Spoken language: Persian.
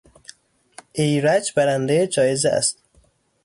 ایرج برندهی جایزه است.